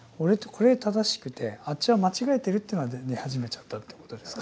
これは正しくてあっちは間違えているというのが出始めちゃったということですか？